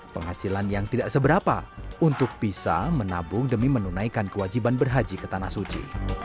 penghasilan yang tidak seberapa untuk bisa menabung demi menunaikan kewajiban berhaji ke tanah suci